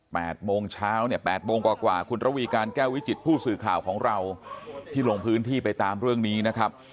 โมงเช้าเนี่ยแปดโมงกว่ากว่าคุณระวีการแก้ววิจิตผู้สื่อข่าวของเราที่ลงพื้นที่ไปตามเรื่องนี้นะครับ